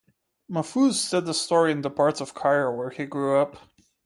Mahfouz set the story in the parts of Cairo where he grew up.